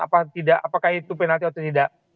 apakah itu penalti atau tidak